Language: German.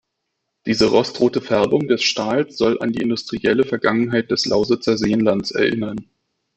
Diese rostrote Färbung des Stahls soll an die industrielle Vergangenheit des Lausitzer Seenlands erinnern.